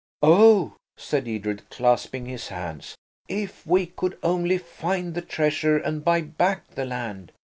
"Oh," said Edred, clasping his hands, "if we could only find the treasure, and buy back the land!